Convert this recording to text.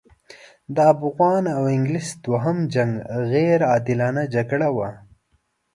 د افغان او انګلیس دوهم جنګ غیر عادلانه جګړه وه.